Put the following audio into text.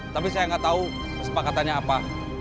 tapi saya nggak tahu kesepakatannya apa